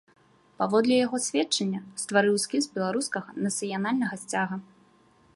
Паводле яго сведчання, стварыў эскіз беларускага нацыянальнага сцяга.